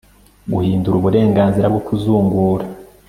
guhindura uburenganzira bwo kuzungura